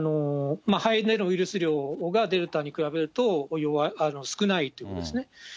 肺でのウイルス量がデルタに比べると少ないということですね。